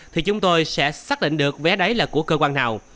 thì chúng tôi sẽ xác định được vé đấy là của cơ quan nào